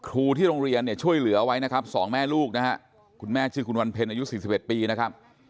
ครูที่โรงเรียนเนี่ยช่วยเหลือไว้นะครับ๒แม่ลูกนะฮะคุณแม่ชื่อคุณวันเพ็ญอายุ๔๑ปีนะครับ